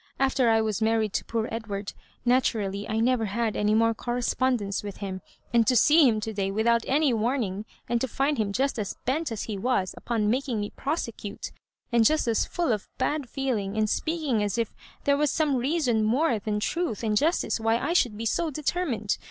After I was married to poor Edward, naturally I never had any more correspondence with him ; and to see him to day without any warning, and to find him just aa bent as he was upon making me prosecute, and just as foil of bad feeling, and speaking as if there was some reason more than truth and justice why I should be so determined.